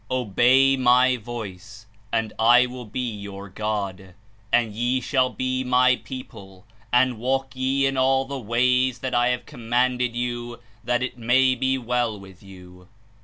''Obey my voice, and I will be your God, and ye shall be my people; and walk ye in all the ways that I have commanded you, that it may be well with you.